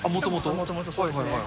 もともとそうですね。